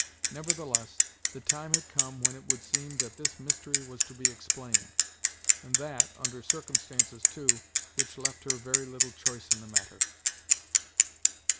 Nevertheless the time had come when it would seem that this mystery was to be explained, and that under circumstances, too, which left her very little choice in the matter.